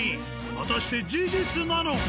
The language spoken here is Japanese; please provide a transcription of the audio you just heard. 果たして事実なのか。